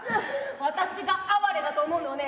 私があわれだと思うのはね